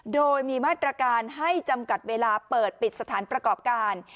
โดยมีมาตรการให้จำกัดเวลาเปิดปิดสถานประกอบการ